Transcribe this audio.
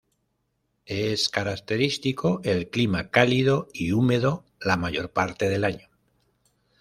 Es característico el clima cálido y húmedo la mayor parte del año.